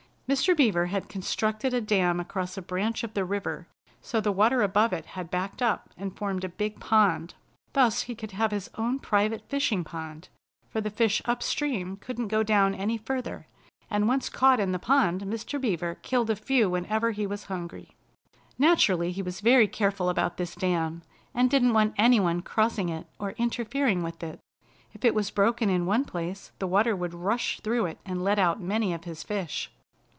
Mr. Beaver had constructed a dam across a branch of the river so the water above it had backed up and formed a big pond. Thus he could have his own private fishing pond, for the fish upstream couldn't go down any further, and once caught in the pond Mr. Beaver killed a few whenever he was hungry. Naturally he was very careful about this dam, and didn't want any one crossing it or interfering with it. If it was broken in one place the water would rush through it and let out many of his fish.